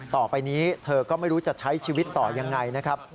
ต่อไปนี้เธอก็ไม่รู้จะใช้ชีวิตต่อยังไงนะครับ